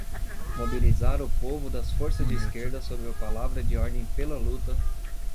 mobilizar o povo das forças de esquerda sob a palavra de ordem pela luta